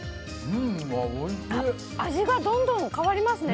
味がどんどん変わりますね。